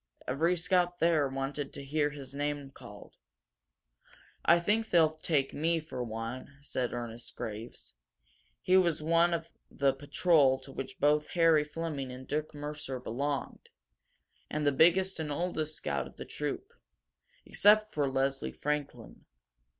Every scout there wanted to hear his name called. "I think they'll take me, for one," said Ernest Graves. He was one of the patrol to which both Harry Fleming and Dick Mercer belonged, and the biggest and oldest scout of the troop, except for Leslie Franklin.